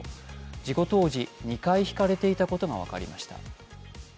事故当時、２回ひかれていたことが分かりました。